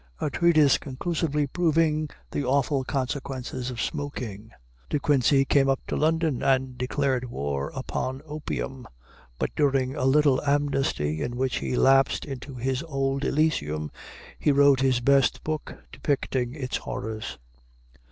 "A treatise conclusively proving the awful consequences of smoking." De Quincey came up to London and declared war upon opium; but during a little amnesty, in which he lapsed into his old elysium, he wrote his best book depicting its horrors.